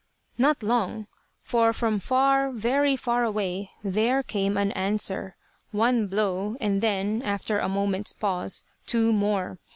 Not long; for from far, very far away, there came an answer, one blow, and then, after a moment's pause, two more.